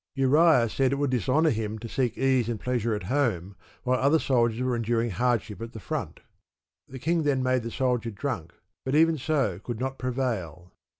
Uriah said it would dishonour him to seek ease and pleasure at home while other soldiers were enduring hardship at the front. The king then made the soldier drunk, but even so could not prevail.